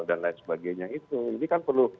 dan lain sebagainya itu ini kan perlu